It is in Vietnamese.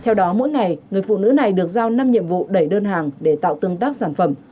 theo đó mỗi ngày người phụ nữ này được giao năm nhiệm vụ đẩy đơn hàng để tạo tương tác sản phẩm